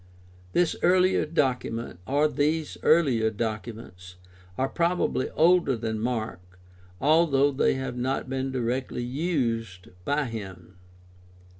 This earlier document, or these earlier documents (Luke 1:1 4), are probably older than Mark, although they have not been directly used by him.